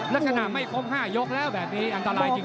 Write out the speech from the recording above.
ลักษณะไม่ครบ๕ยกแล้วแบบนี้อันตรายจริง